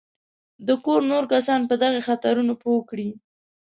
د کور نور کسان په دغو خطرونو پوه کړي.